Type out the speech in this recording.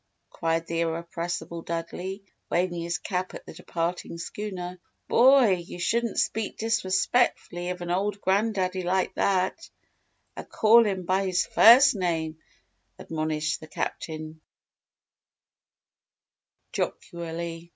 cried the irrepressible Dudley, waving his cap at the departing schooner. "Boy, you shouldn't speak disrespectfully of an old grand daddy like that, er call him by his first name," admonished the Captain, jocularly.